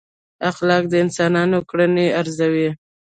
اخلاق د انسانانو کړنې ارزوي.